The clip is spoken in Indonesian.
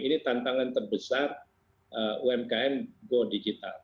ini tantangan terbesar umkm go digital